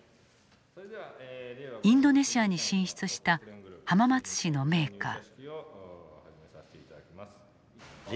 インドネシアに進出した浜松市のメーカー。